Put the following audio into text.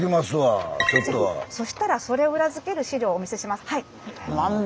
そしたらそれを裏付ける史料をお見せします。